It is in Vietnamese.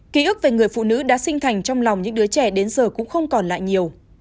ký ức về người phụ nữ đã sinh thành trong lòng những đứa trẻ đến giờ cũng không còn lại nhiều